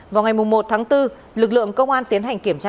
vào ngày một tháng bốn lực lượng công an tiến hành kiểm tra